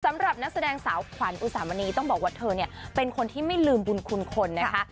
สำหรับนักแสดงสาวขวัญอุสามณีต้องบอกว่าเธอเนี่ยเป็นคนที่ไม่ลืมบุญคุณคนนะคะ